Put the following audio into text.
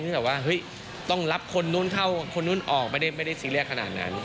ที่แบบว่าเฮ้ยต้องรับคนนู้นเข้าคนนู้นออกไม่ได้ซีเรียสขนาดนั้น